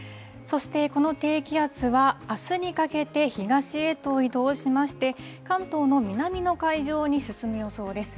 そしてこの低気圧は、あすにかけて、東へと移動しまして、関東の南の海上に進む予想です。